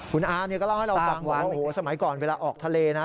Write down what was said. คุณอาก็เล่าให้เราฟังบอกว่าโอ้โหสมัยก่อนเวลาออกทะเลนะ